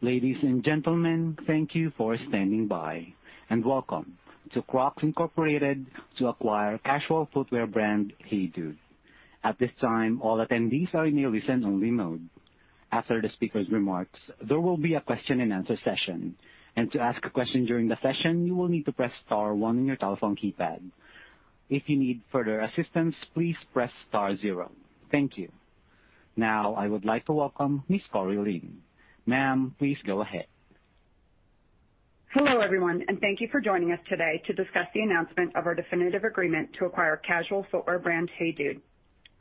Ladies and gentlemen, thank you for standing by, and welcome to Crocs Incorporated to acquire casual footwear brand HEYDUDE. At this time, all attendees are in a listen only mode. After the speaker's remarks, there will be a question and answer session. To ask a question during the session, you will need to press star one on your telephone keypad. If you need further assistance, please press star zero. Thank you. Now, I would like to welcome Ms. Cori Lin. Ma'am, please go ahead. Hello, everyone, and thank you for joining us today to discuss the announcement of our definitive agreement to acquire casual footwear brand HEYDUDE.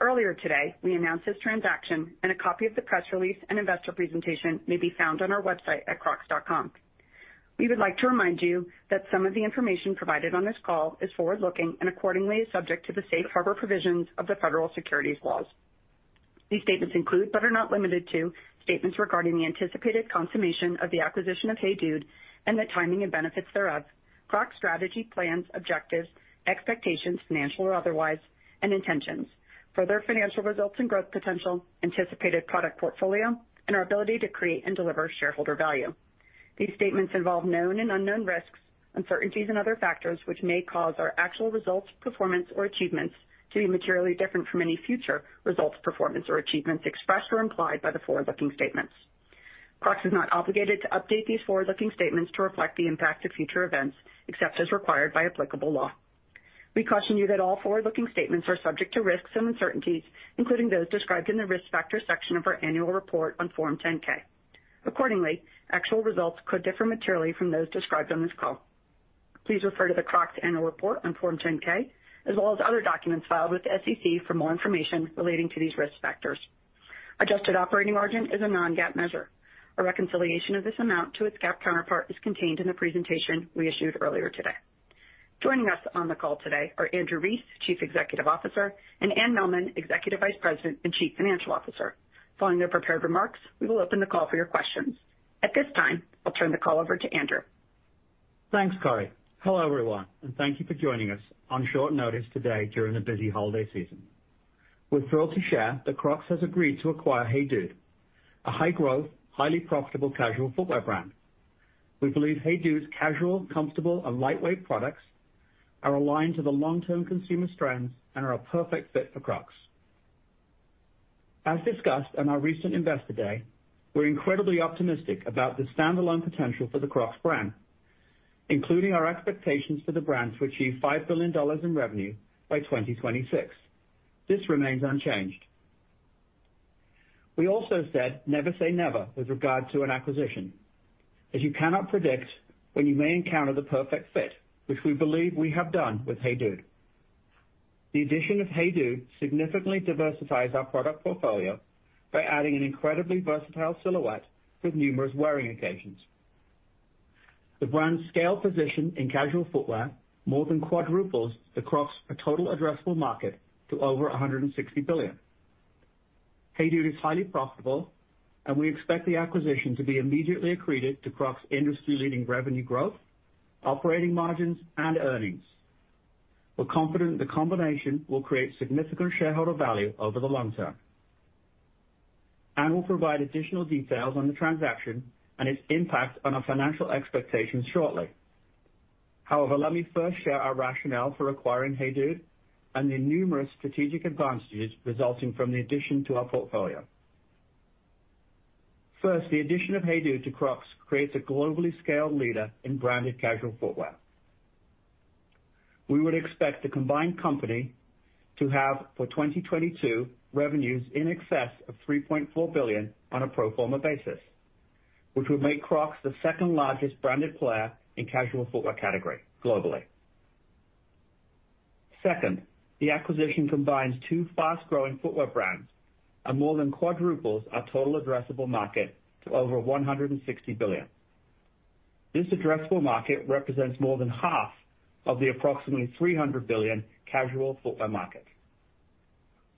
Earlier today, we announced this transaction and a copy of the press release and investor presentation may be found on our website at crocs.com. We would like to remind you that some of the information provided on this call is forward-looking and accordingly, is subject to the safe harbor provisions of the Federal Securities Laws. These statements include, but are not limited to, statements regarding the anticipated consummation of the acquisition of HEYDUDE and the timing and benefits thereof, Crocs strategy, plans, objectives, expectations, financial or otherwise, and intentions for their financial results and growth potential, anticipated product portfolio, and our ability to create and deliver shareholder value. These statements involve known and unknown risks, uncertainties, and other factors which may cause our actual results, performance, or achievements to be materially different from any future results, performance, or achievements expressed or implied by the forward-looking statements. Crocs is not obligated to update these forward-looking statements to reflect the impact of future events, except as required by applicable law. We caution you that all forward-looking statements are subject to risks and uncertainties, including those described in the Risk Factors section of our annual report on Form 10-K. Accordingly, actual results could differ materially from those described on this call. Please refer to the Crocs annual report on Form 10-K as well as other documents filed with the SEC for more information relating to these risk factors. Adjusted operating margin is a non-GAAP measure. A reconciliation of this amount to its GAAP counterpart is contained in the presentation we issued earlier today. Joining us on the call today are Andrew Rees, Chief Executive Officer, and Anne Mehlman, Executive Vice President and Chief Financial Officer. Following their prepared remarks, we will open the call for your questions. At this time, I'll turn the call over to Andrew. Thanks, Cori. Hello, everyone, and thank you for joining us on short notice today during the busy holiday season. We're thrilled to share that Crocs has agreed to acquire HEYDUDE, a high-growth, highly profitable casual footwear brand. We believe HEYDUDE's casual, comfortable, and lightweight products are aligned to the long-term consumer strengths and are a perfect fit for Crocs. As discussed on our recent Investor Day, we're incredibly optimistic about the standalone potential for the Crocs brand, including our expectations for the brand to achieve $5 billion in revenue by 2026. This remains unchanged. We also said never say never with regard to an acquisition, as you cannot predict when you may encounter the perfect fit, which we believe we have done with HEYDUDE. The addition of HEYDUDE significantly diversifies our product portfolio by adding an incredibly versatile silhouette with numerous wearing occasions. The brand scale position in casual footwear more than quadruples across a total addressable market to over $160 billion. HEYDUDE is highly profitable, and we expect the acquisition to be immediately accreted to Crocs industry-leading revenue growth, operating margins, and earnings. We're confident the combination will create significant shareholder value over the long term. Anne will provide additional details on the transaction and its impact on our financial expectations shortly. However, let me first share our rationale for acquiring HEYDUDE and the numerous strategic advantages resulting from the addition to our portfolio. First, the addition of HEYDUDE to Crocs creates a globally scaled leader in branded casual footwear. We would expect the combined company to have, for 2022, revenues in excess of $3.4 billion on a pro forma basis, which would make Crocs the second-largest branded player in casual footwear category globally. Second, the acquisition combines two fast-growing footwear brands and more than quadruples our total addressable market to over $160 billion. This addressable market represents more than half of the approximately $300 billion casual footwear market.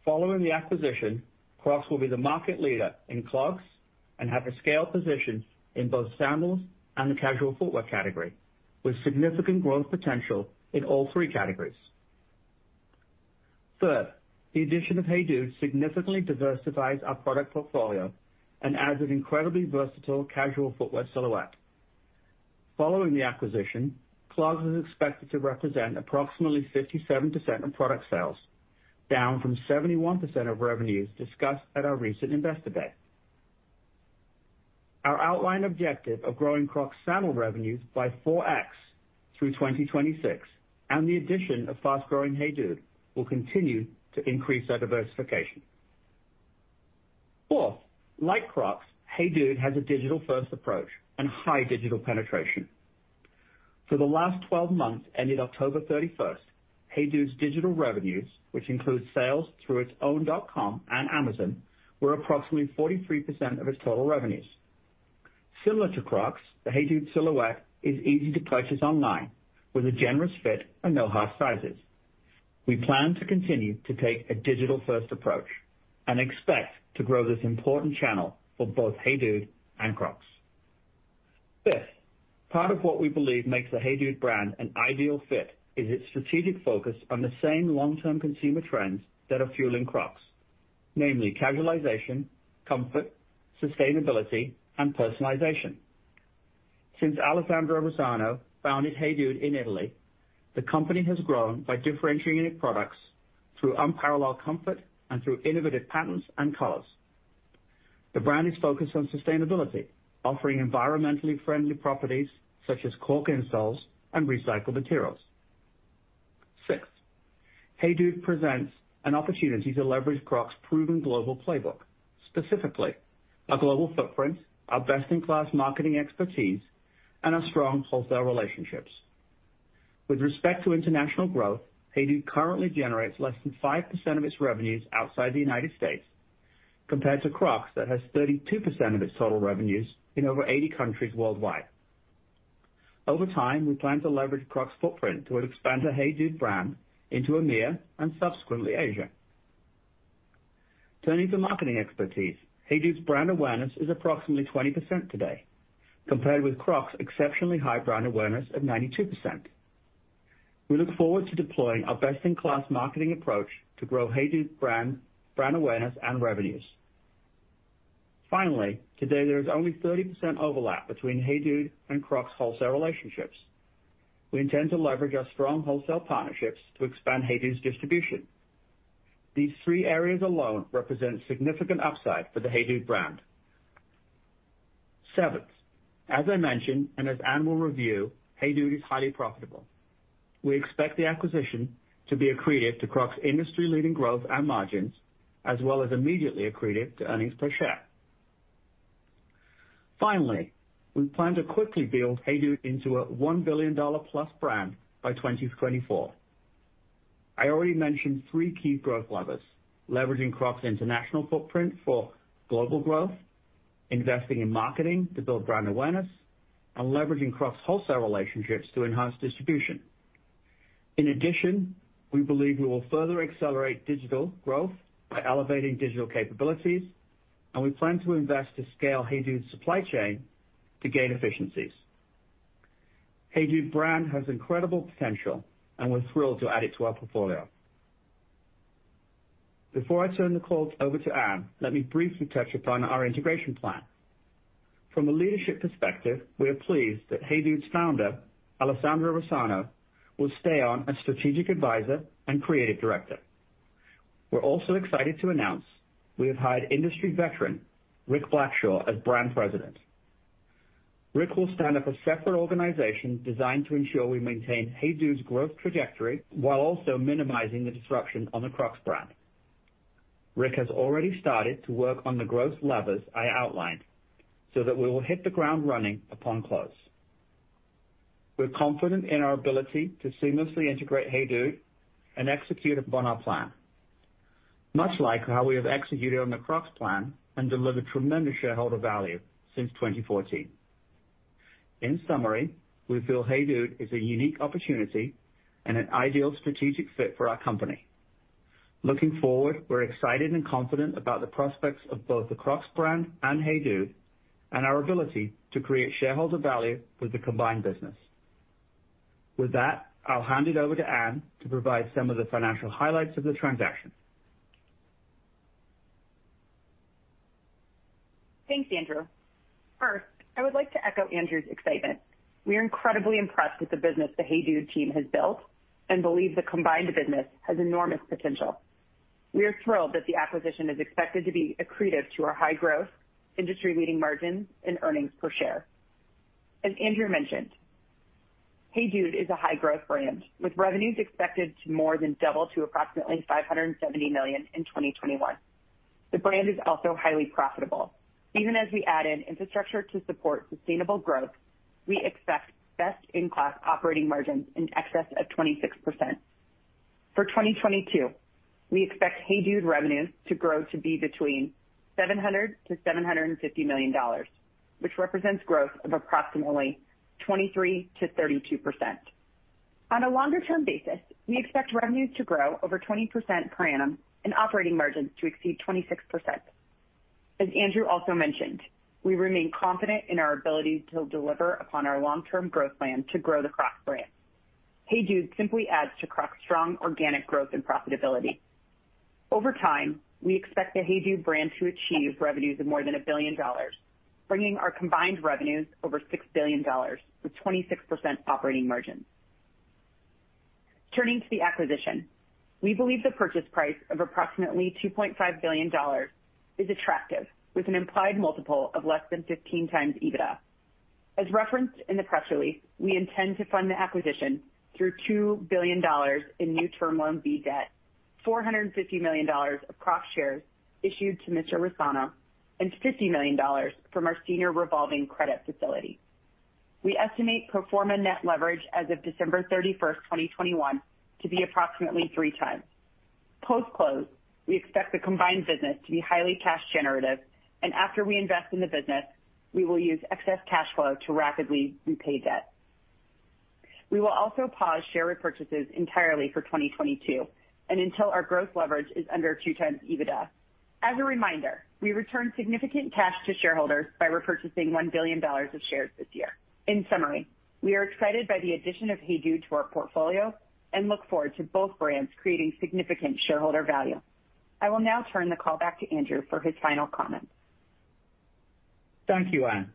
Following the acquisition, Crocs will be the market leader in clogs and have a scale position in both sandals and the casual footwear category, with significant growth potential in all three categories. Third, the addition of HEYDUDE significantly diversifies our product portfolio and adds an incredibly versatile casual footwear silhouette. Following the acquisition, Crocs is expected to represent approximately 57% of product sales, down from 71% of revenues discussed at our recent Investor Day. Our outlined objective of growing Crocs sandal revenues by 4x through 2026 and the addition of fast-growing HEYDUDE will continue to increase our diversification. Fourth, like Crocs, HEYDUDE has a digital-first approach and high digital penetration. For the last twelve months ended October 31st, HEYDUDE's digital revenues, which includes sales through its own .com and Amazon, were approximately 43% of its total revenues. Similar to Crocs, the HEYDUDE silhouette is easy to purchase online with a generous fit and no half sizes. We plan to continue to take a digital-first approach and expect to grow this important channel for both HEYDUDE and Crocs. Fifth, part of what we believe makes the HEYDUDE brand an ideal fit is its strategic focus on the same long-term consumer trends that are fueling Crocs. Namely casualization, comfort, sustainability, and personalization. Since Alessandro Rosano founded HEYDUDE in Italy, the company has grown by differentiating its products through unparalleled comfort and through innovative patterns and colors. The brand is focused on sustainability, offering environmentally friendly properties such as cork insoles and recycled materials. Sixth, HEYDUDE presents an opportunity to leverage Crocs' proven global playbook, specifically our global footprint, our best-in-class marketing expertise, and our strong wholesale relationships. With respect to international growth, HEYDUDE currently generates less than 5% of its revenues outside the United States, compared to Crocs that has 32% of its total revenues in over 80 countries worldwide. Over time, we plan to leverage Crocs' footprint to expand the HEYDUDE brand into EMEA and subsequently Asia. Turning to marketing expertise. HEYDUDE's brand awareness is approximately 20% today, compared with Crocs exceptionally high brand awareness of 92%. We look forward to deploying our best-in-class marketing approach to grow HEYDUDE brand awareness and revenues. Finally, today there is only 30% overlap between HEYDUDE and Crocs wholesale relationships. We intend to leverage our strong wholesale partnerships to expand HEYDUDE's distribution. These three areas alone represent significant upside for the HEYDUDE brand. Seventh, as I mentioned, and as Anne will review, HEYDUDE is highly profitable. We expect the acquisition to be accretive to Crocs' industry-leading growth and margins, as well as immediately accretive to earnings per share. Finally, we plan to quickly build HEYDUDE into a $1 billion+ brand by 2024. I already mentioned three key growth levers. Leveraging Crocs' international footprint for global growth, investing in marketing to build brand awareness, and leveraging Crocs' wholesale relationships to enhance distribution. In addition, we believe we will further accelerate digital growth by elevating digital capabilities, and we plan to invest to scale HEYDUDE's supply chain to gain efficiencies. HEYDUDE brand has incredible potential, and we're thrilled to add it to our portfolio. Before I turn the call over to Anne, let me briefly touch upon our integration plan. From a leadership perspective, we are pleased that HEYDUDE's founder, Alessandro Rosano, will stay on as strategic advisor and creative director. We're also excited to announce we have hired industry veteran Rick Blackshaw as Brand President. Rick will stand up a separate organization designed to ensure we maintain HEYDUDE's growth trajectory while also minimizing the disruption on the Crocs brand. Rick has already started to work on the growth levers I outlined so that we will hit the ground running upon close. We're confident in our ability to seamlessly integrate HEYDUDE and execute upon our plan, much like how we have executed on the Crocs plan and delivered tremendous shareholder value since 2014. In summary, we feel HEYDUDE is a unique opportunity and an ideal strategic fit for our company. Looking forward, we're excited and confident about the prospects of both the Crocs brand and HEYDUDE, and our ability to create shareholder value with the combined business. With that, I'll hand it over to Anne to provide some of the financial highlights of the transaction. Thanks, Andrew. First, I would like to echo Andrew's excitement. We are incredibly impressed with the business the HEYDUDE team has built and believe the combined business has enormous potential. We are thrilled that the acquisition is expected to be accretive to our high growth, industry-leading margins and earnings per share. As Andrew mentioned, HEYDUDE is a high-growth brand with revenues expected to more than double to approximately $570 million in 2021. The brand is also highly profitable. Even as we add in infrastructure to support sustainable growth, we expect best-in-class operating margins in excess of 26%. For 2022, we expect HEYDUDE revenues to grow to be between $700 million-$750 million, which represents growth of approximately 23%-32%. On a longer-term basis, we expect revenues to grow over 20% per annum and operating margins to exceed 26%. As Andrew also mentioned, we remain confident in our ability to deliver upon our long-term growth plan to grow the Crocs brand. HEYDUDE simply adds to Crocs' strong organic growth and profitability. Over time, we expect the HEYDUDE brand to achieve revenues of more than $1 billion, bringing our combined revenues over $6 billion with 26% operating margins. Turning to the acquisition. We believe the purchase price of approximately $2.5 billion is attractive, with an implied multiple of less than 15x EBITDA. As referenced in the press release, we intend to fund the acquisition through $2 billion in new Term Loan B debt, $450 million of Crocs shares issued to Mr.Rosano and $50 million from our Senior Revolving Credit Facility. We estimate pro forma net leverage as of December 31st, 2021 to be approximately 3x. Post-close, we expect the combined business to be highly cash generative, and after we invest in the business, we will use excess cash flow to rapidly repay debt. We will also pause share repurchases entirely for 2022 and until our net leverage is under 2x EBITDA. As a reminder, we returned significant cash to shareholders by repurchasing $1 billion of shares this year. In summary, we are excited by the addition of HEYDUDE to our portfolio and look forward to both brands creating significant shareholder value. I will now turn the call back to Andrew for his final comments. Thank you, Anne.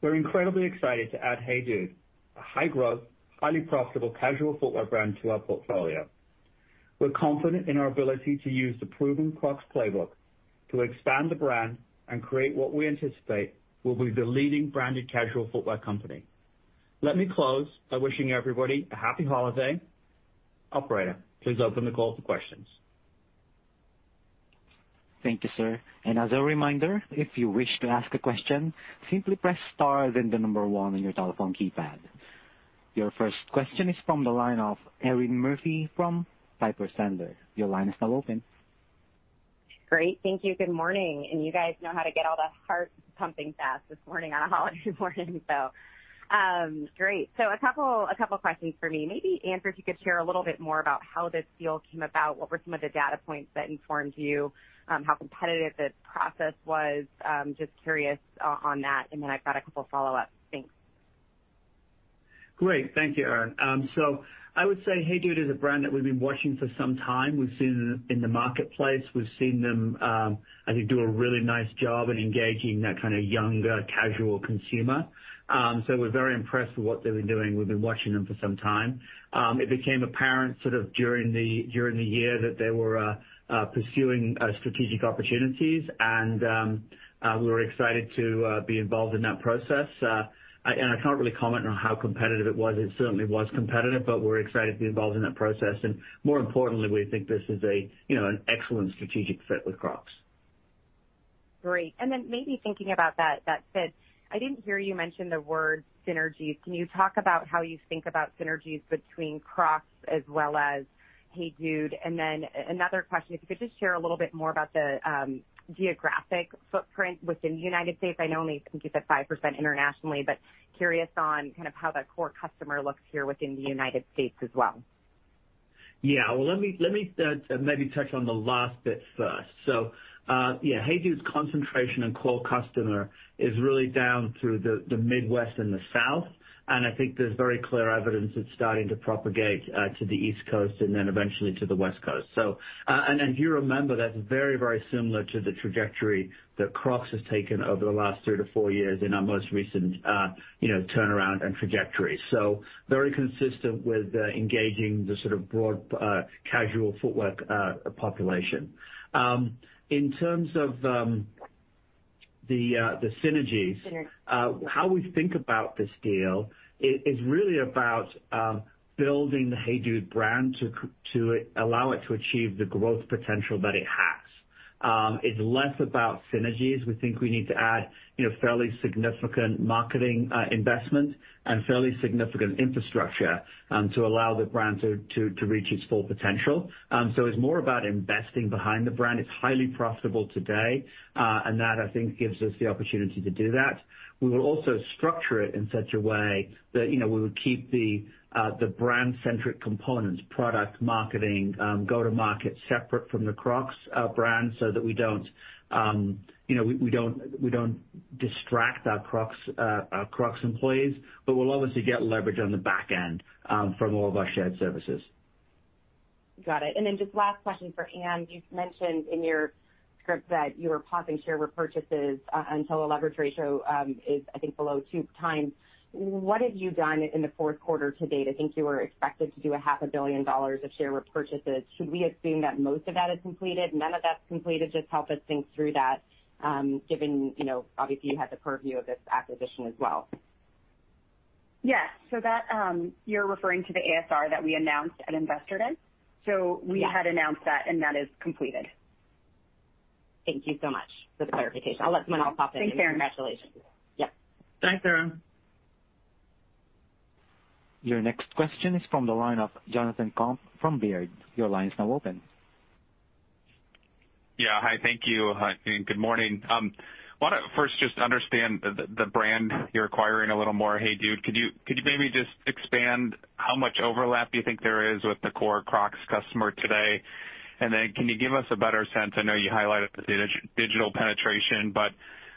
We're incredibly excited to add HEYDUDE, a high-growth, highly profitable casual footwear brand to our portfolio. We're confident in our ability to use the proven Crocs playbook to expand the brand and create what we anticipate will be the leading branded casual footwear company. Let me close by wishing everybody a happy holiday. Operator, please open the call for questions. Thank you, sir. As a reminder, if you wish to ask a question, simply press star, then the number one on your telephone keypad. Your first question is from the line of Erinn Murphy from Piper Sandler. Your line is now open. Great. Thank you. Good morning. You guys know how to get all the hearts pumping fast this morning on a holiday morning. Great. A couple questions for me. Maybe, Andrew, if you could share a little bit more about how this deal came about, what were some of the data points that informed you, how competitive the process was? Just curious on that, and then I've got a couple follow-ups. Thanks. Great. Thank you, Erinn. I would say HEYDUDE is a brand that we've been watching for some time. We've seen it in the marketplace. We've seen them, I think, do a really nice job in engaging that kind of younger casual consumer. We're very impressed with what they've been doing. We've been watching them for some time. It became apparent sort of during the year that they were pursuing strategic opportunities, and we were excited to be involved in that process. I can't really comment on how competitive it was. It certainly was competitive, but we're excited to be involved in that process. More importantly, we think this is a, you know, an excellent strategic fit with Crocs. Great. Maybe thinking about that fit, I didn't hear you mention the word synergies. Can you talk about how you think about synergies between Crocs as well as HEYDUDE? Another question, if you could just share a little bit more about the geographic footprint within the United States. I think you said 5% internationally, but curious on kind of how that core customer looks here within the United States as well. Yeah. Well, let me maybe touch on the last bit first. Yeah, HEYDUDE's concentration and core customer is really down through the Midwest and the South, and I think there's very clear evidence it's starting to propagate to the East Coast and then eventually to the West Coast. If you remember, that's very similar to the trajectory that Crocs has taken over the last three years-four years in our most recent, you know, turnaround and trajectory. Very consistent with engaging the sort of broad casual footwear population. In terms of the synergies. Synergies. How we think about this deal is really about building the HEYDUDE brand to allow it to achieve the growth potential that it has. It's less about synergies. We think we need to add, you know, fairly significant marketing investment and fairly significant infrastructure to allow the brand to reach its full potential. It's more about investing behind the brand. It's highly profitable today, and that, I think, gives us the opportunity to do that. We will also structure it in such a way that, you know, we would keep the brand-centric components, product marketing, go to market separate from the Crocs brand so that we don't, you know, we don't distract our Crocs employees, but we'll obviously get leverage on the back end from all of our shared services. Got it. Just last question for Anne. You've mentioned in your script that you are pausing share repurchases until a leverage ratio is I think below 2x. What have you done in the fourth quarter to date? I think you were expected to do a half a billion dollars of share repurchases. Should we assume that most of that is completed, none of that's completed? Just help us think through that, given, you know, obviously you had the purview of this acquisition as well. Yes. That you're referring to the ASR that we announced at Investor Day. Yes. We had announced that, and that is completed. Thank you so much for the clarification. Yeah. I'll let someone else hop in. Thanks, Erinn. Congratulations. Yeah. Thanks, Erinn. Your next question is from the line of Jonathan Komp from Baird. Your line is now open. Yeah. Hi. Thank you. Hi, and good morning. Want to first just understand the brand you're acquiring a little more, HEYDUDE. Could you maybe just expand how much overlap you think there is with the core Crocs customer today? Can you give us a better sense? I know you highlighted the digital penetration, but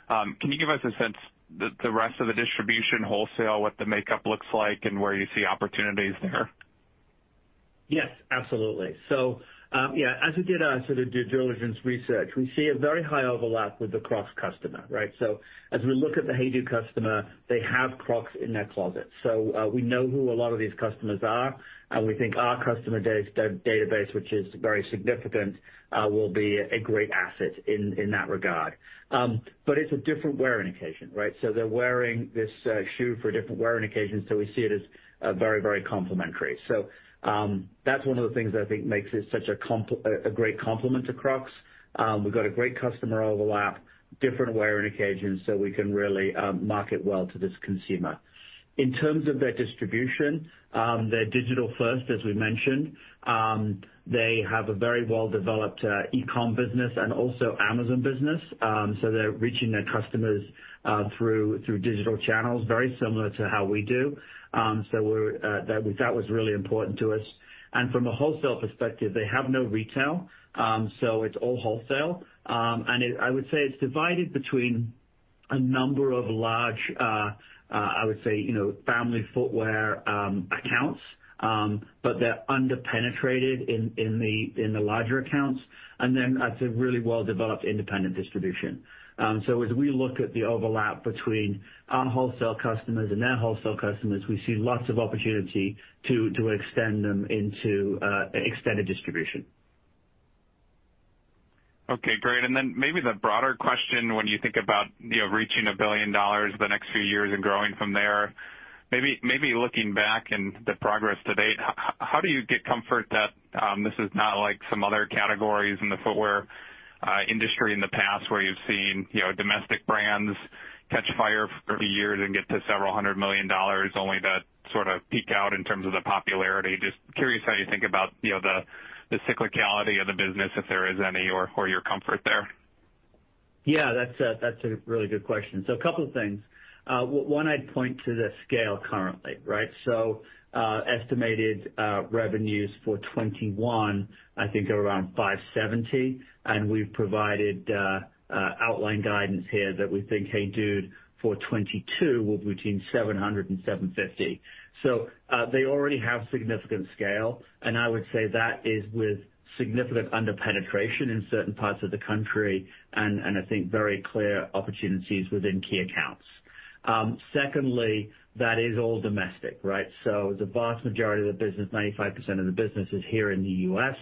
can you give us a sense of the rest of the distribution wholesale, what the makeup looks like, and where you see opportunities there? Yes, absolutely. As we did our sort of due diligence research, we see a very high overlap with the Crocs customer, right? As we look at the HEYDUDE customer, they have Crocs in their closet. We know who a lot of these customers are, and we think our customer database, which is very significant, will be a great asset in that regard. It's a different wearing occasion, right? They're wearing this shoe for a different wearing occasion, so we see it as very complementary. That's one of the things that I think makes it such a great complement to Crocs. We've got a great customer overlap, different wearing occasions, so we can really market well to this consumer. In terms of their distribution, they're digital first, as we mentioned. They have a very well-developed e-com business and also Amazon business. They're reaching their customers through digital channels very similar to how we do. That was really important to us. From a wholesale perspective, they have no retail, so it's all wholesale. I would say it's divided between a number of large, you know, family footwear accounts, but they're under-penetrated in the larger accounts. That's a really well-developed independent distribution. As we look at the overlap between our wholesale customers and their wholesale customers, we see lots of opportunity to extend them into extended distribution. Okay, great. Maybe the broader question when you think about, you know, reaching $1 billion the next few years and growing from there, maybe looking back and the progress to date, how do you get comfort that this is not like some other categories in the footwear industry in the past where you've seen, you know, domestic brands catch fire for years and get to $several hundred million only to sort of peak out in terms of the popularity? Just curious how you think about, you know, the cyclicality of the business, if there is any, or your comfort there. Yeah, that's a really good question. So a couple of things. One, I'd point to the scale currently, right? So, estimated revenues for 2021, I think are around $570 million, and we've provided outlined guidance here that we think HEYDUDE for 2022 will between $700 million and $750 million. So, they already have significant scale, and I would say that is with significant under-penetration in certain parts of the country, and I think very clear opportunities within key accounts. Secondly, that is all domestic, right? The vast majority of the business, 95% of the business is here in the U.S.,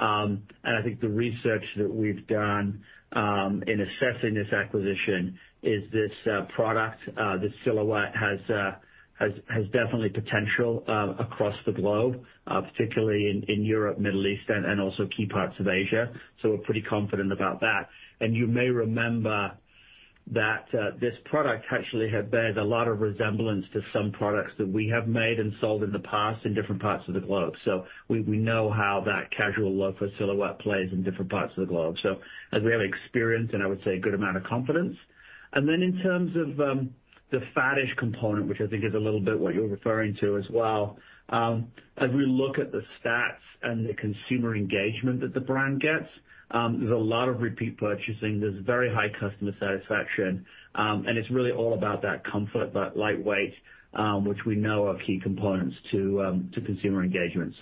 and I think the research that we've done in assessing this acquisition is this product, this silhouette has definitely potential across the globe, particularly in Europe, Middle East and also key parts of Asia. We're pretty confident about that. You may remember that, this product actually had a lot of resemblance to some products that we have made and sold in the past in different parts of the globe. We know how that casual loafer silhouette plays in different parts of the globe. As we have experience and I would say a good amount of confidence. In terms of the faddish component, which I think is a little bit what you're referring to as well, as we look at the stats and the consumer engagement that the brand gets, there's a lot of repeat purchasing. There's very high customer satisfaction, and it's really all about that comfort, that lightweight, which we know are key components to consumer engagement.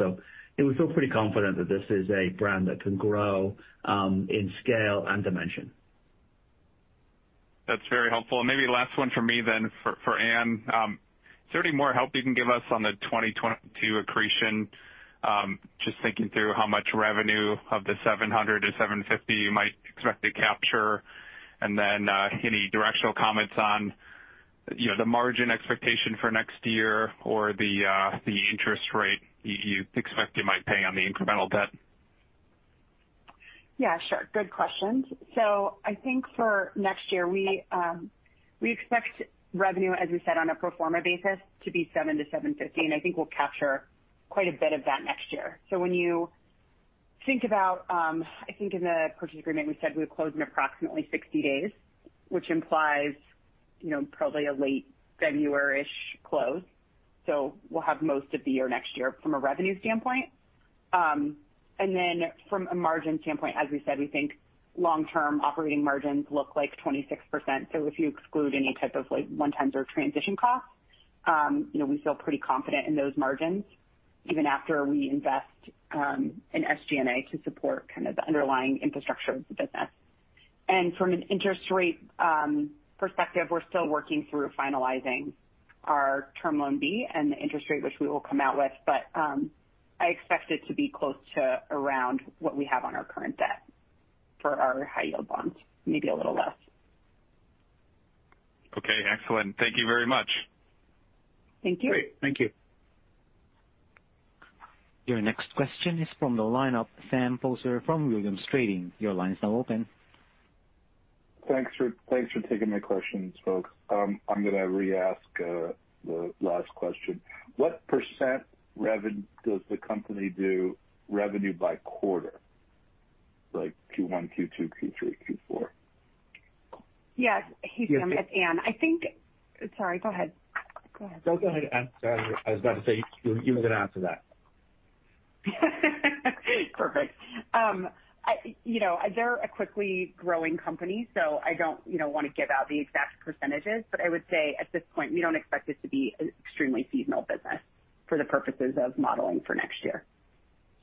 We feel pretty confident that this is a brand that can grow in scale and dimension. That's very helpful. Maybe last one for me then for Anne. Is there any more help you can give us on the 2022 accretion? Just thinking through how much revenue of the $700 million-$750 million you might expect to capture, and then any directional comments on, you know, the margin expectation for next year or the interest rate you expect you might pay on the incremental debt? Yeah, sure. Good questions. I think for next year, we expect revenue, as we said, on a pro forma basis, to be $700 million-$750 million, and I think we'll capture quite a bit of that next year. When you think about, I think in the purchase agreement, we said we would close in approximately 60 days, which implies, you know, probably a late February-ish close. We'll have most of the year next year from a revenue standpoint. Then from a margin standpoint, as we said, we think long-term operating margins look like 26%. If you exclude any type of like one-timers or transition costs, you know, we feel pretty confident in those margins even after we invest in SG&A to support kind of the underlying infrastructure of the business. From an interest rate perspective, we're still working through finalizing our Term Loan B and the interest rate, which we will come out with, but I expect it to be close to around what we have on our current debt for our high yield bonds, maybe a little less. Okay, excellent. Thank you very much. Thank you. Great. Thank you. Your next question is from the line of Sam Poser from Williams Trading. Your line is now open. Thanks for taking my questions, folks. I'm gonna re-ask the last question. What % does the company do revenue by quarter, like Q1, Q2, Q3, Q4? Yes. Hey, Sam, it's Anne. Sorry, go ahead. No, go ahead. I was about to say you were gonna answer that. Perfect. You know, they're a quickly growing company, so I don't, you know, wanna give out the exact percentages, but I would say at this point, we don't expect this to be an extremely seasonal business for the purposes of modeling for next year.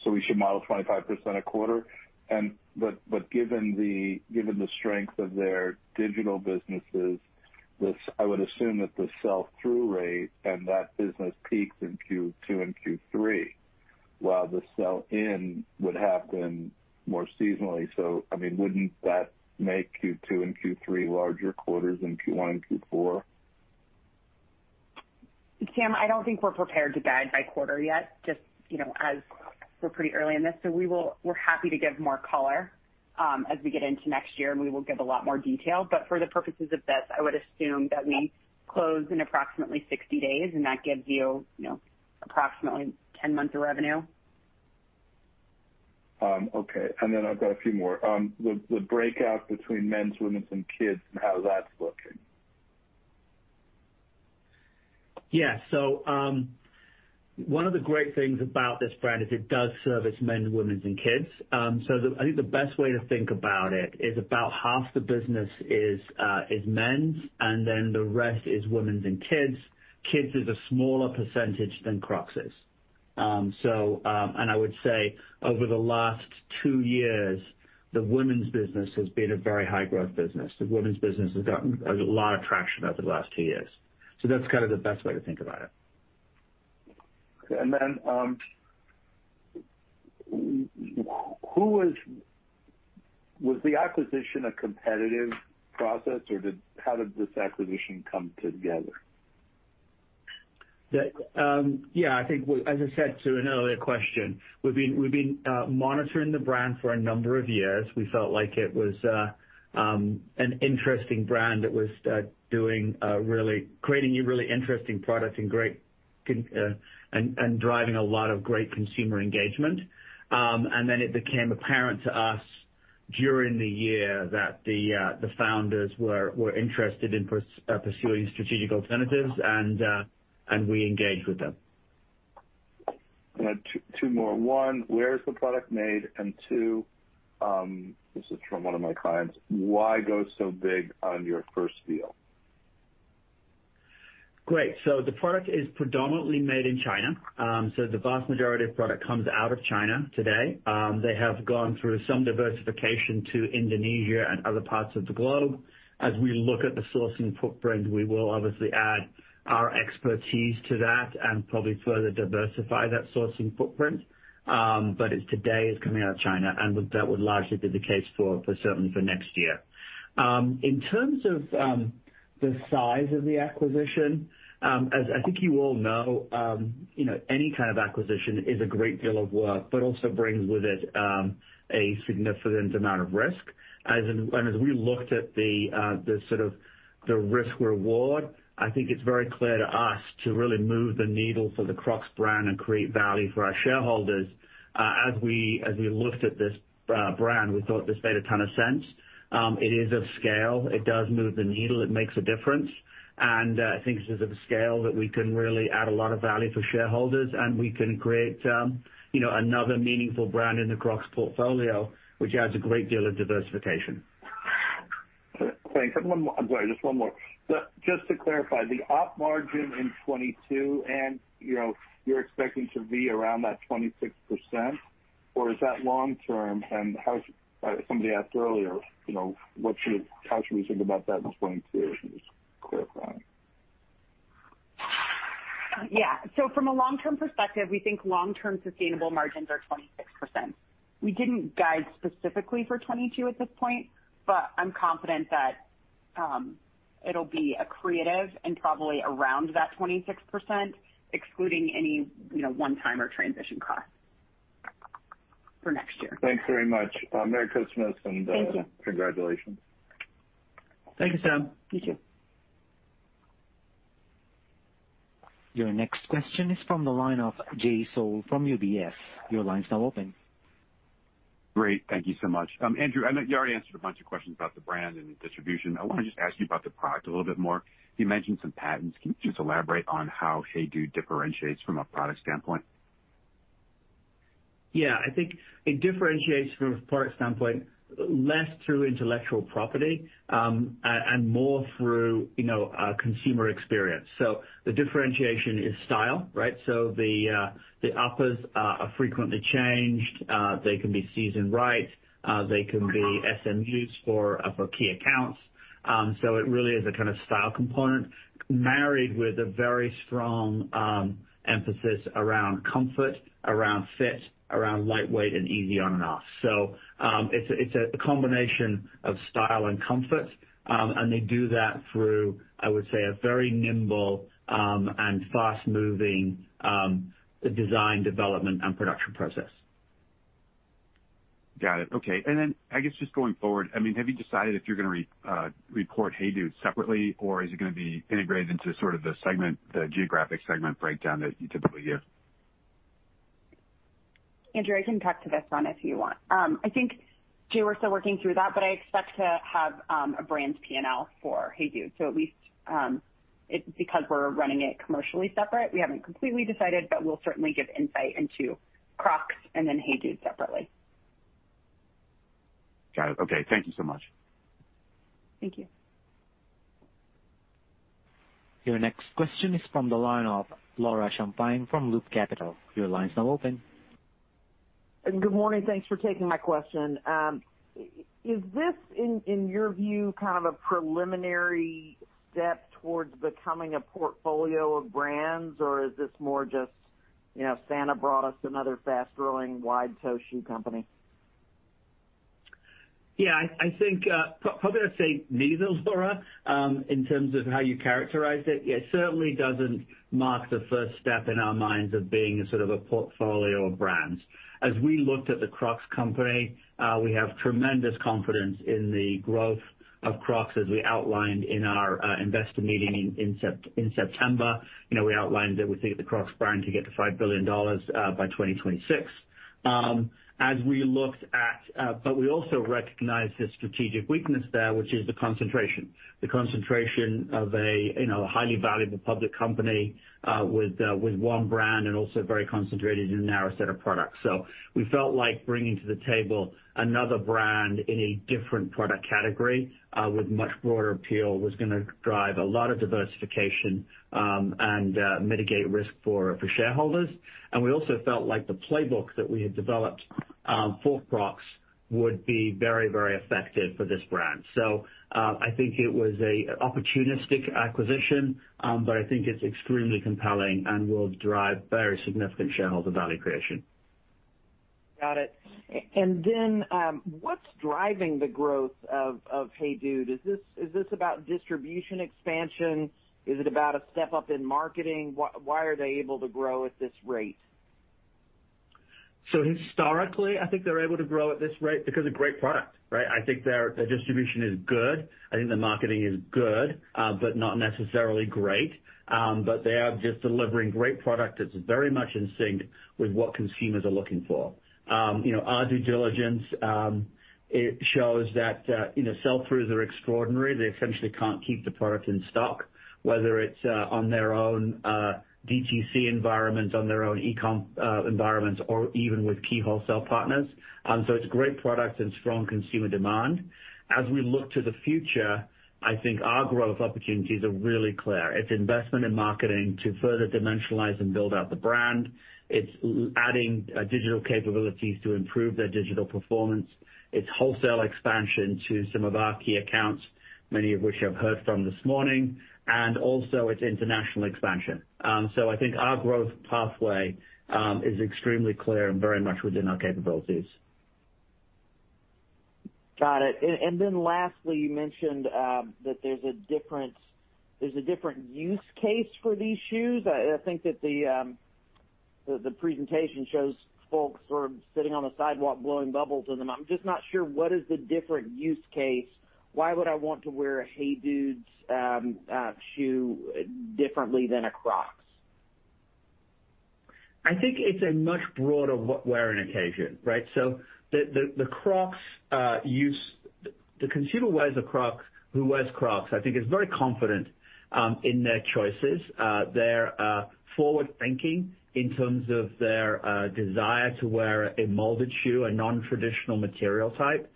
We should model 25% a quarter. But given the strength of their digital businesses, I would assume that the sell-through rate and that business peaks in Q2 and Q3, while the sell-in would happen more seasonally. I mean, wouldn't that make Q2 and Q3 larger quarters than Q1 and Q4? Sam, I don't think we're prepared to guide by quarter yet, just, you know, as we're pretty early in this. We're happy to give more color, as we get into next year, and we will give a lot more detail. For the purposes of this, I would assume that we close in approximately 60 days, and that gives you know, approximately 10 months of revenue. Okay. Then I've got a few more. The breakout between men's, women's and kids, how that's looking? Yeah. One of the great things about this brand is it does service men, women's, and kids. I think the best way to think about it is about half the business is men's, and then the rest is women's and kids. Kids is a smaller percentage than Crocs is. I would say over the last two years, the women's business has been a very high-growth business. The women's business has gotten a lot of traction over the last two years. That's kinda the best way to think about it. Was the acquisition a competitive process, or how did this acquisition come together? As I said to an earlier question, we've been monitoring the brand for a number of years. We felt like it was an interesting brand that was creating a really interesting product and great content and driving a lot of great consumer engagement. It became apparent to us during the year that the founders were interested in pursuing strategic alternatives, and we engaged with them. I had two more. One, where is the product made? Two, this is from one of my clients, why go so big on your first deal? Great. The product is predominantly made in China. The vast majority of product comes out of China today. They have gone through some diversification to Indonesia and other parts of the globe. As we look at the sourcing footprint, we will obviously add our expertise to that and probably further diversify that sourcing footprint. It today is coming out of China, and that would largely be the case for certainly next year. In terms of the size of the acquisition, as I think you all know, you know, any kind of acquisition is a great deal of work, but also brings with it a significant amount of risk. As we looked at the sort of risk-reward, I think it's very clear to us to really move the needle for the Crocs brand and create value for our shareholders. As we looked at this brand, we thought this made a ton of sense. It is of scale. It does move the needle. It makes a difference. I think this is of scale that we can really add a lot of value for shareholders, and we can create, you know, another meaningful brand in the Crocs portfolio, which adds a great deal of diversification. Thanks. One more. I'm sorry, just one more. Just to clarify, the op margin in 2022 and, you know, you're expecting to be around that 26%, or is that long term? Somebody asked earlier, you know, what's your, how should we think about that in 2022, just to clarify? From a long-term perspective, we think long-term sustainable margins are 26%. We didn't guide specifically for 2022 at this point, but I'm confident that it'll be accretive and probably around that 26%, excluding any, you know, one-time or transition costs for next year. Thanks very much. I'm very close with. Thank you. Congratulations. Thank you, Sam. You too. Your next question is from the line of Jay Sole from UBS. Your line's now open. Great. Thank you so much. Andrew, I know you already answered a bunch of questions about the brand and the distribution. I wanna just ask you about the product a little bit more. You mentioned some patents. Can you just elaborate on how HEYDUDE differentiates from a product standpoint? Yeah. I think it differentiates from a product standpoint less through intellectual property and more through, you know, consumer experience. The differentiation is style, right? The uppers are frequently changed. They can be seasoned right. They can be SMUs for key accounts. It really is a kind of style component married with a very strong emphasis around comfort, around fit, around lightweight and easy on and off. It's a combination of style and comfort. They do that through, I would say, a very nimble and fast-moving design, development, and production process. Got it. Okay. I guess just going forward, I mean, have you decided if you're gonna report HEYDUDE separately, or is it gonna be integrated into sort of the segment, the geographic segment breakdown that you typically give? Andrew, I can talk to this one if you want. I think, Jay, we're still working through that, but I expect to have a brand P&L for HEYDUDE. At least, it's because we're running it commercially separate. We haven't completely decided, but we'll certainly give insight into Crocs and then HEYDUDE separately. Got it. Okay. Thank you so much. Thank you. Your next question is from the line of Laura Champine from Loop Capital. Your line's now open. Good morning. Thanks for taking my question. Is this, in your view, kind of a preliminary step towards becoming a portfolio of brands, or is this more just, you know, Santa brought us another fast-growing, wide-toe shoe company? Yeah, I think probably I'd say neither, Laura, in terms of how you characterized it. It certainly doesn't mark the first step in our minds of being sort of a portfolio of brands. As we looked at the Crocs company, we have tremendous confidence in the growth of Crocs as we outlined in our investor meeting in September. You know, we outlined that we think the Crocs brand could get to $5 billion by 2026. But we also recognized the strategic weakness there, which is the concentration of a highly valuable public company, you know, with one brand and also very concentrated in a narrow set of products. We felt like bringing to the table another brand in a different product category with much broader appeal was gonna drive a lot of diversification, and mitigate risk for shareholders. We also felt like the playbook that we had developed for Crocs would be very, very effective for this brand. I think it was a opportunistic acquisition, but I think it's extremely compelling and will drive very significant shareholder value creation. Got it. What's driving the growth of HEYDUDE? Is this about distribution expansion? Is it about a step up in marketing? Why are they able to grow at this rate? Historically, I think they're able to grow at this rate because of great product, right? I think their distribution is good. I think the marketing is good, but not necessarily great. But they are just delivering great product that's very much in sync with what consumers are looking for. You know, our due diligence, it shows that, you know, sell-throughs are extraordinary. They essentially can't keep the product in stock, whether it's on their own DTC environments, on their own eCom environments, or even with key wholesale partners. It's great product and strong consumer demand. As we look to the future, I think our growth opportunities are really clear. It's investment in marketing to further dimensionalize and build out the brand. It's adding digital capabilities to improve their digital performance. It's wholesale expansion to some of our key accounts, many of which you have heard from this morning. It's international expansion. I think our growth pathway is extremely clear and very much within our capabilities. Got it. Lastly, you mentioned that there's a different use case for these shoes. I think that the presentation shows folks sort of sitting on the sidewalk blowing bubbles in them. I'm just not sure what is the different use case. Why would I want to wear a HEYDUDE shoe differently than a Crocs? I think it's a much broader wear occasion, right? The consumer who wears Crocs I think is very confident in their choices. They're forward-thinking in terms of their desire to wear a molded shoe, a nontraditional material type.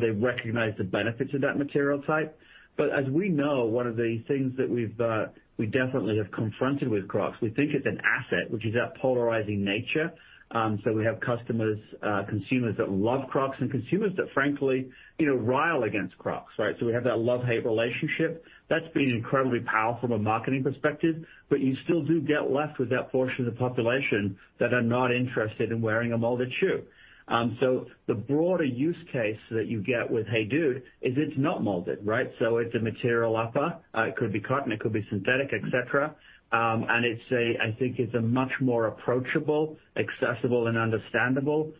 They recognize the benefits of that material type. As we know, one of the things that we definitely have confronted with Crocs, we think it's an asset, which is that polarizing nature. We have customers, consumers that love Crocs and consumers that frankly, you know, rile against Crocs, right? We have that love-hate relationship. That's been incredibly powerful from a marketing perspective, but you still do get left with that portion of the population that are not interested in wearing a molded shoe. The broader use case that you get with HEYDUDE is it's not molded, right? It's a material upper. It could be cotton, it could be synthetic, et cetera. And it's a, I think it's a much more approachable, accessible, and understandable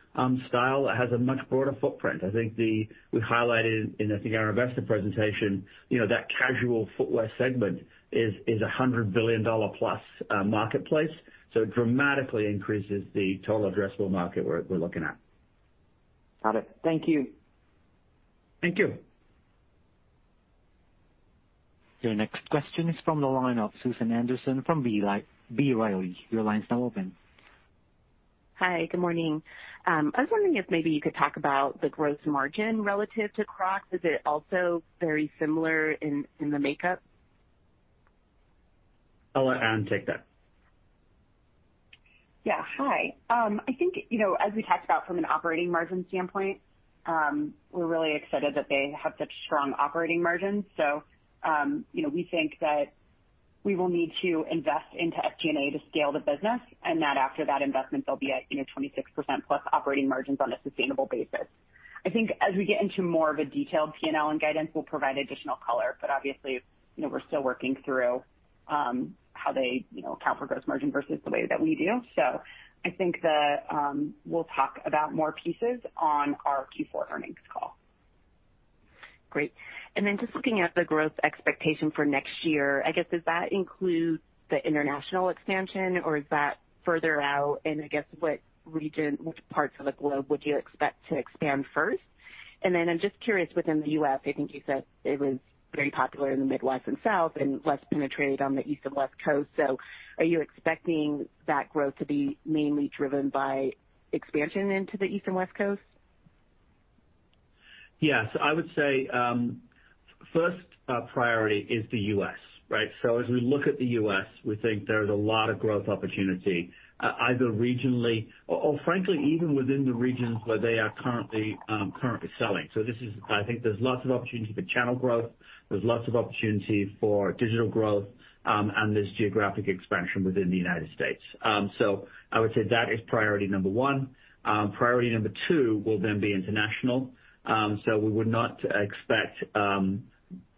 style that has a much broader footprint. I think we highlighted in, I think our investor presentation, you know, that casual footwear segment is a $100 billion-plus marketplace. It dramatically increases the total addressable market we're looking at. Got it. Thank you. Thank you. Your next question is from the line of Susan Anderson from B. Riley. Your line's now open. Hi, good morning. I was wondering if maybe you could talk about the growth margin relative to Crocs. Is it also very similar in the makeup? I'll let Anne take that. Yeah. Hi. I think, you know, as we talked about from an operating margin standpoint, we're really excited that they have such strong operating margins. You know, we think that we will need to invest into SG&A to scale the business, and that after that investment, they'll be at, you know, 26%+ operating margins on a sustainable basis. I think as we get into more of a detailed P&L and guidance, we'll provide additional color. Obviously, you know, we're still working through how they, you know, account for gross margin versus the way that we do. I think that we'll talk about more pieces on our Q4 earnings call. Great. Just looking at the growth expectation for next year, I guess, does that include the international expansion or is that further out? I guess what region, which parts of the globe would you expect to expand first? I'm just curious within the U.S., I think you said it was very popular in the Midwest and South and less penetrated on the East and West Coasts. Are you expecting that growth to be mainly driven by expansion into the East and West Coasts? Yes. I would say, first, priority is the U.S., right? As we look at the U.S., we think there is a lot of growth opportunity, either regionally or frankly even within the regions where they are currently selling. This is. I think there's lots of opportunity for channel growth. There's lots of opportunity for digital growth, and there's geographic expansion within the United States. I would say that is priority number one. Priority number two will then be international. We would not expect,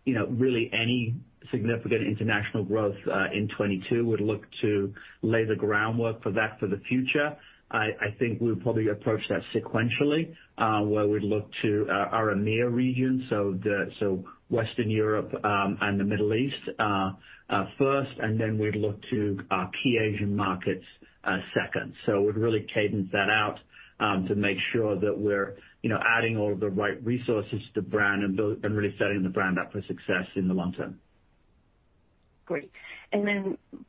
you know, really any significant international growth in 2022. We'd look to lay the groundwork for that for the future. I think we'll probably approach that sequentially, where we'd look to our EMEA region, so Western Europe and the Middle East first, and then we'd look to our key Asian markets second. We'd really cadence that out to make sure that we're, you know, adding all the right resources to brand and really setting the brand up for success in the long term. Great.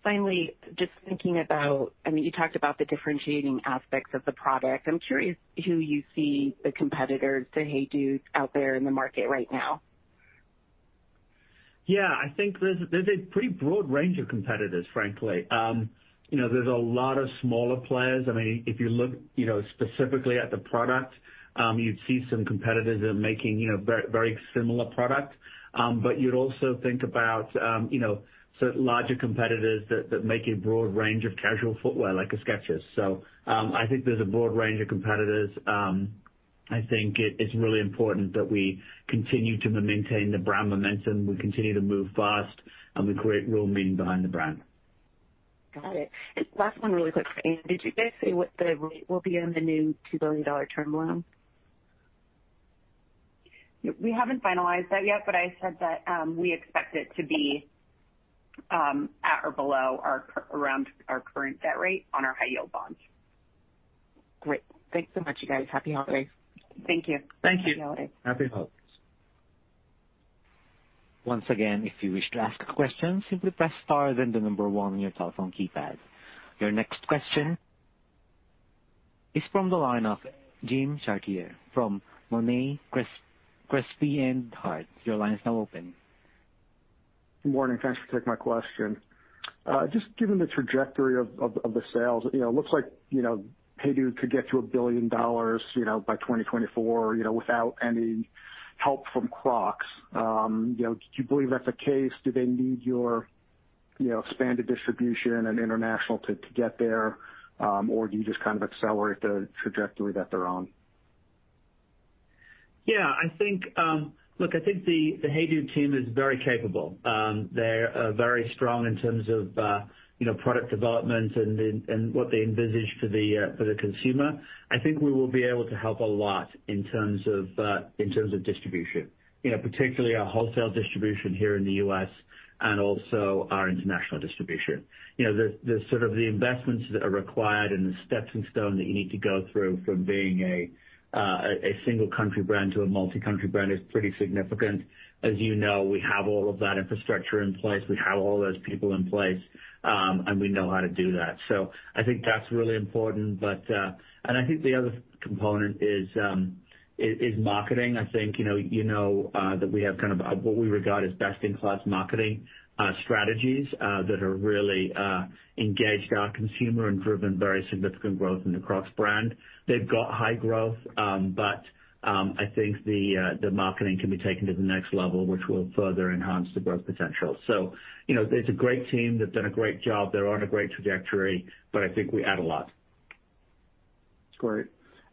Finally, just thinking about, I mean, you talked about the differentiating aspects of the product. I'm curious who you see the competitors to HEYDUDE out there in the market right now? Yeah. I think there's a pretty broad range of competitors, frankly. You know, there's a lot of smaller players. I mean, if you look, you know, specifically at the product, you'd see some competitors are making, you know, very similar product. But you'd also think about, you know, sort of larger competitors that make a broad range of casual footwear like a Skechers. I think there's a broad range of competitors. I think it's really important that we continue to maintain the brand momentum, we continue to move fast, and we create real meaning behind the brand. Got it. Last one really quick for Anne. Did you guys say what the rate will be on the new $2 billion term loan? We haven't finalized that yet, but I said that, we expect it to be at or below, around our current debt rate on our high yield bonds. Great. Thanks so much, you guys. Happy holidays. Thank you. Thank you. Happy holidays. Happy holidays. Once again, if you wish to ask a question, simply press star then one on your telephone keypad. Your next question is from the line of Jim Chartier from Monness, Crespi, Hardt & Co. Your line is now open. Good morning. Thanks for taking my question. Just given the trajectory of the sales, you know, looks like, you know, HEYDUDE could get to $1 billion, you know, by 2024, you know, without any help from Crocs. You know, do you believe that's the case? Do they need your, you know, expanded distribution and international to get there, or do you just kind of accelerate the trajectory that they're on? Yeah. I think, look, I think the HEYDUDE team is very capable. They're very strong in terms of, you know, product development and what they envisage for the consumer. I think we will be able to help a lot in terms of distribution. You know, particularly our wholesale distribution here in the U.S. and also our international distribution. You know, the sort of investments that are required and the stepping stone that you need to go through from being a single country brand to a multi-country brand is pretty significant. As you know, we have all of that infrastructure in place. We have all those people in place, and we know how to do that. I think that's really important. I think the other component is marketing. I think you know that we have kind of what we regard as best-in-class marketing strategies that have really engaged our consumer and driven very significant growth in the Crocs brand. They've got high growth, but I think the marketing can be taken to the next level, which will further enhance the growth potential. You know, it's a great team. They've done a great job. They're on a great trajectory, but I think we add a lot. Great.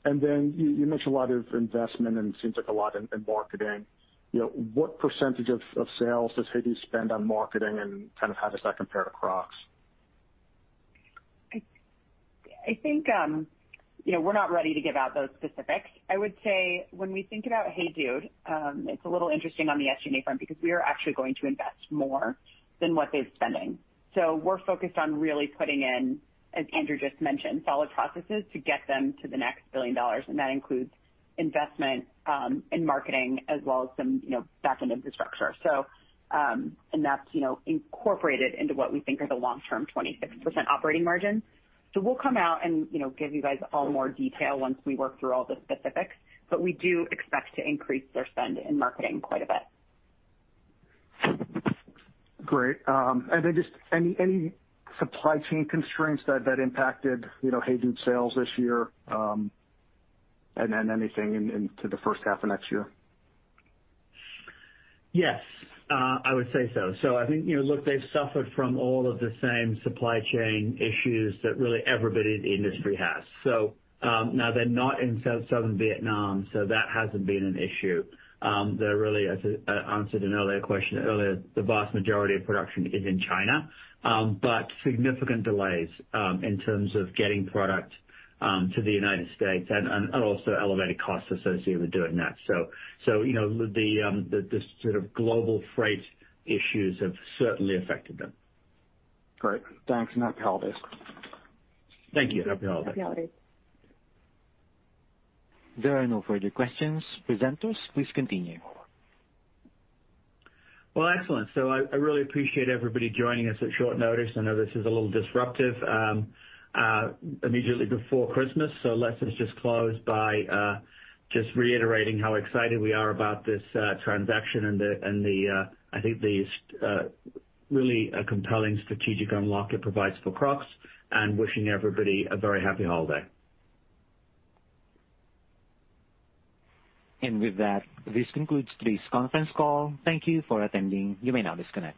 Then you mentioned a lot of investment and it seems like a lot in marketing. You know, what percentage of sales does HEYDUDE spend on marketing and kind of how does that compare to Crocs? I think, you know, we're not ready to give out those specifics. I would say when we think about HEYDUDE, it's a little interesting on the SG&A front because we are actually going to invest more than what they've been spending. We're focused on really putting in, as Andrew just mentioned, solid processes to get them to the next billion dollars, and that includes investment in marketing as well as some, you know, back-end infrastructure. That's, you know, incorporated into what we think are the long-term 26% operating margin. We'll come out and, you know, give you guys all more detail once we work through all the specifics. We do expect to increase their spend in marketing quite a bit. Great. Just any supply chain constraints that impacted, you know, HEYDUDE sales this year, and then anything into the first half of next year? Yes. I would say so. I think, you know, look, they've suffered from all of the same supply chain issues that really everybody in the industry has. Now they're not in Southern Vietnam, so that hasn't been an issue. They're really, as I answered an earlier question, the vast majority of production is in China. Significant delays in terms of getting product to the United States and also elevated costs associated with doing that. You know, the sort of global freight issues have certainly affected them. Great. Thanks, and happy holidays. Thank you. Happy holidays. Happy holidays. There are no further questions. Presenters, please continue. Well, excellent. I really appreciate everybody joining us at short notice. I know this is a little disruptive immediately before Christmas. Let's just close by just reiterating how excited we are about this transaction and the, I think, the really compelling strategic unlock it provides for Crocs, and wishing everybody a very happy holiday. With that, this concludes today's conference call. Thank you for attending. You may now disconnect.